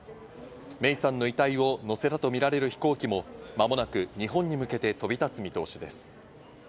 芽生さんの遺体を乗せたとみられる飛行機も間もなく日本に向けて飛び立つ見通しです。